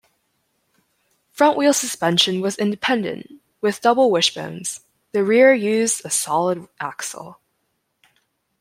Front wheel suspension was independent, with double wishbones, the rear used a solid axle.